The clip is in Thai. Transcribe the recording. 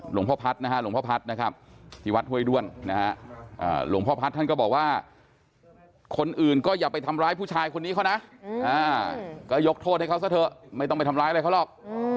หลวงพ่อพัชนะฮะที่วัดเฮ้ยด้วนนะฮะหลวงพ่อพัชท่านก็บอกว่าคนอื่นก็อย่าไปทำร้ายผู้ชายคนนี้เขานะก็ยกโทษให้เขาเสร็จเถอะไม่ต้องไปทำร้ายอะไรเขาหรอก